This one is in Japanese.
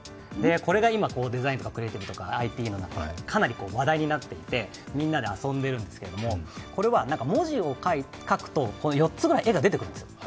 今、デザインとかクリエーティブとかＩＴの中でかなり話題になっていてみんなで遊んでいるんですけれども、これは文字を書くと、この４つの絵が出てくるんです。